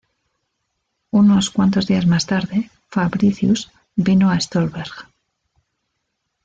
Unos cuantos días más tarde Fabricius vino a Stolberg.